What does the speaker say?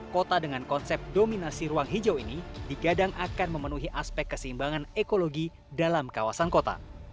kota dengan konsep dominasi ruang hijau ini digadang akan memenuhi aspek keseimbangan ekologi dalam kawasan kota